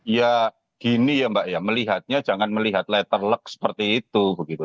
ya gini ya mbak ya melihatnya jangan melihat letter luck seperti itu